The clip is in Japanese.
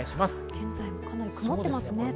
現在もかなり曇っていますね。